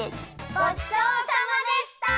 ごちそうさまでした！